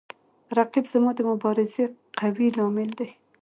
رقیب زما د مبارزې قوي لامل دی